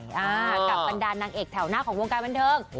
กับบรรดานางเอกแถวหน้าของวงการบันเทิง